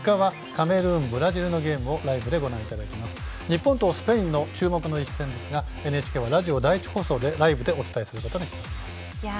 日本とスペインの注目の一戦ですがＮＨＫはラジオ第１放送でライブでお伝えすることにしています。